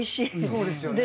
そうですよね。